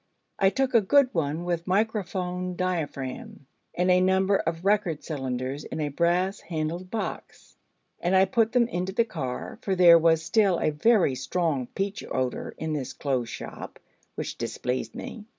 I took a good one with microphone diaphragm, and a number of record cylinders in a brass handled box, and I put them into the car, for there was still a very strong peach odour in this closed shop, which displeased me.